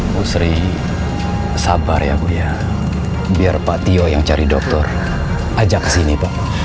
bu sri sabar ya bu ya biar pak tio yang cari dokter ajak kesini pak